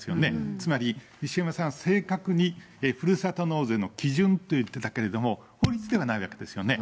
つまり、西山さん、正確にふるさと納税の基準と言ってたけれども、法律ではないわけですよね。